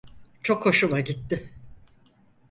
Çok hoşuma gitti.